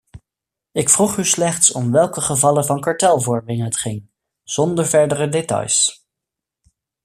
Ik vroeg u slechts om welke gevallen van kartelvorming het ging, zonder verdere details.